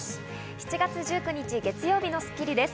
７月１９日、月曜日の『スッキリ』です。